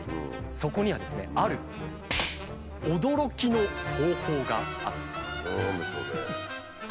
そこにはですねある驚きの方法があったんです。